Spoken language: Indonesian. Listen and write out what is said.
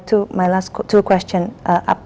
pertanyaan terakhir saya